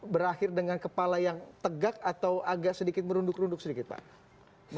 berakhir dengan kepala yang tegak atau agak sedikit merunduk runduk sedikit pak